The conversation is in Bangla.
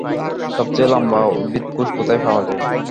সবচেয়ে লম্বা উদ্ভিদকোষ কোথায় পাওয়া যায়?